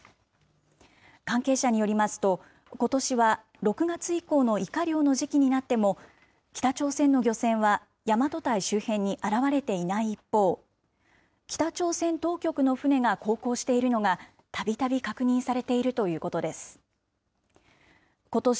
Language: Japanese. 関係者によりますと、ことしは６月以降のイカ漁の時期になっても、北朝鮮の漁船は大和堆周辺に現れていない一方、北朝鮮当局の船が航行しているのが、たびたび確認されているということです。